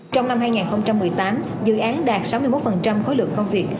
trong năm hai nghìn một mươi tám dự án đạt sáu mươi một khối lượng công việc